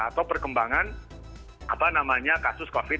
atau perkembangan kasus covid sembilan belas